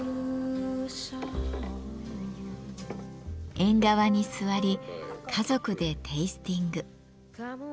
縁側に座り家族でテイスティング。